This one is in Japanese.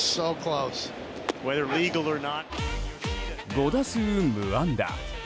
５打数無安打。